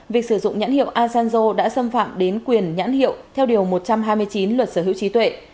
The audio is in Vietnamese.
việc sử dụng nhãn hiệu asanzo đã xâm phạm đến quyền nhãn hiệu theo điều một trăm hai mươi chín luật sở hữu trí tuệ